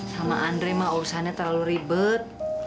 sama andre mah urusannya terlalu ribet